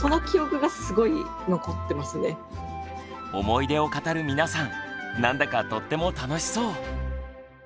思い出を語る皆さんなんだかとっても楽しそう。